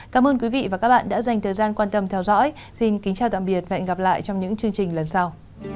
cảm ơn quý vị và các bạn đã dành thời gian quan tâm theo dõi xin kính chào tạm biệt và hẹn gặp lại trong những chương trình lần sau